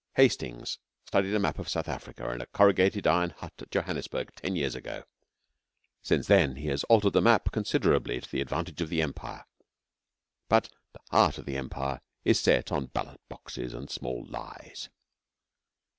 Hastings studied a map of South Africa in a corrugated iron hut at Johannesburg ten years ago. Since then he has altered the map considerably to the advantage of the Empire, but the heart of the Empire is set on ballot boxes and small lies.